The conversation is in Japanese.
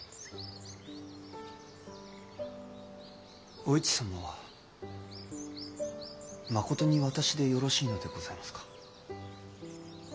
お市様はまことに私でよろしいのでございますか？